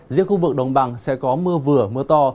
riêng khu vực đồng bằng sẽ có mưa vừa mưa to